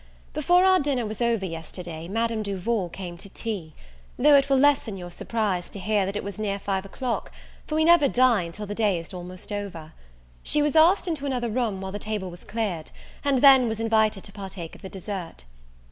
BEFORE our dinner was over yesterday Madame Duval came to tea; though it will lessen your surprise, to hear that it was near five o'clock, for we never dine till the day is almost over. She was asked into another room while the table was cleared, and then was invited to partake of the dessert.